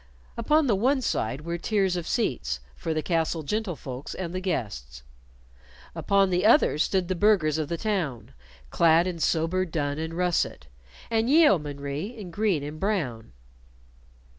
Upon the one side were tiers of seats for the castle gentlefolks and the guests. Upon the other stood the burghers from the town, clad in sober dun and russet, and yeomanry in green and brown.